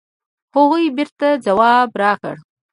هغوی بېرته ځواب راکړ.